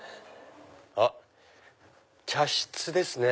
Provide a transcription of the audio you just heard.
あっ茶室ですね。